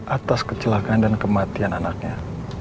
atas kecelakaan dan kematian anaknya